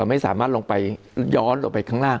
ไม่สามารถลงไปย้อนออกไปข้างล่าง